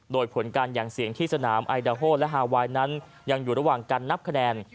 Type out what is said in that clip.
โดยผลการอย่างเสียงที่สนามไอดาโฮและฮาไวน์นั้นยังอยู่ระหว่างการนับคะแนน